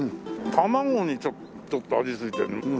タマゴにちょっと味ついてる。